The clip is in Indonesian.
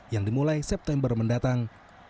yang dimulai september mendatang